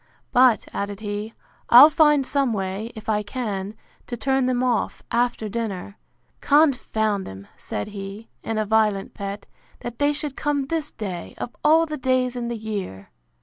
But, added he, I'll find some way, if I can, to turn them off, after dinner.—Confound them, said he, in a violent pet, that they should come this day, of all the days in the year!